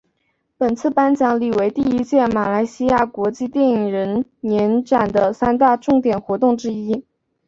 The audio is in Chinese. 本次颁奖礼为第一届马来西亚国际电影人年展的三大重点活动之一。